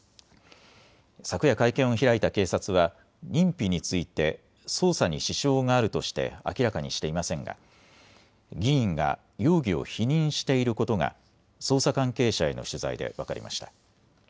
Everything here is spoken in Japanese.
昨夜、会見を開いた警察は認否について捜査に支障があるとして明らかにしていませんが議員が容疑を否認していることが捜査関係者への取材で分かりました。